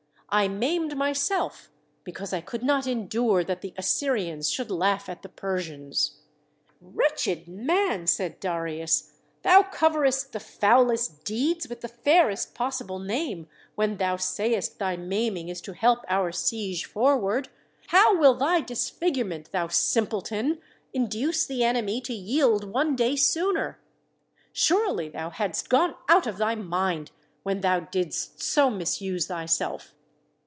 I maimed myself because I could not endure that the Assyrians should laugh at the Persians." 'Wretched man," said Darius, "thou coverest the foulest deeds with the fairest possible name, when thou sayest thy maiming is to help our siege forward. How will thy disfigurement, thou simpleton, induce the enemy to yield one day sooner? Surely thou hadst gone out of thy mind when thou didst so misuse thyself."